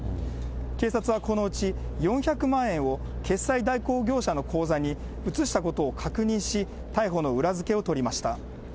警察はこのうち、４００万円を決済代行業者の口座に移したことを確認し、逮捕の裏付けを取りました。